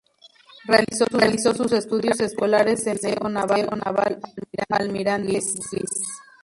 Realizó sus estudios escolares en el Liceo Naval Almirante Guise.